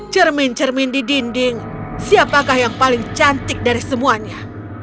cermin cermin di dinding siapakah yang paling cantik dari semuanya